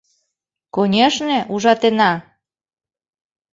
Конешне, ужатена!..